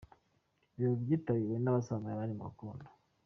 Ibirori byitabiriwe n’abasanzwe bari mu rukundo